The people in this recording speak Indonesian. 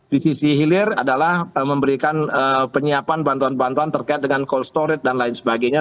di sisi hilir adalah memberikan penyiapan bantuan bantuan terkait dengan cold storage dan lain sebagainya